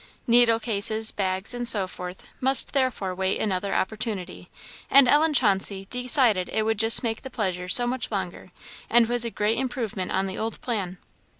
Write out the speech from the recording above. Needlecases, bags, and so forth, must therefore wait another opportunity; and Ellen Chauncey decided it would just make the pleasure so much longer, and was a great improvement on the old plan.